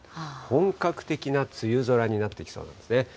本格的な梅雨空になってきそうなんですね。